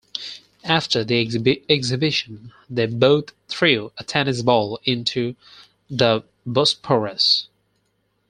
After the exhibition, they both threw a tennis ball into the Bosporus.